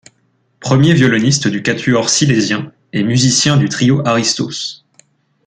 Premier violoniste du Quatuor Silésien et musicien du Trio Aristos.